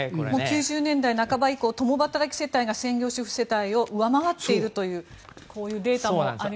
９０年代半ば以降共働き世帯が専業主婦世帯を上回っているというこういうデータもあります。